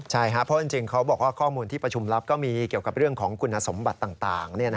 ใช่ครับเพราะจริงเขาบอกว่าข้อมูลที่ประชุมรับก็มีเกี่ยวกับเรื่องของคุณสมบัติต่าง